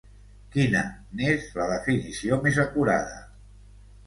Quina n’és la definició més acurada?